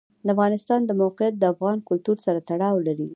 د افغانستان د موقعیت د افغان کلتور سره تړاو لري.